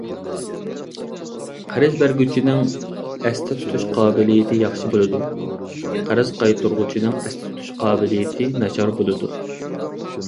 قەرز بەرگۈچىنىڭ ئەستە تۇتۇش قابىلىيىتى ياخشى بولىدۇ، قەرز قايتۇرغۇچىنىڭ ئەستە تۇتۇش قابىلىيىتى ناچار بولىدۇ.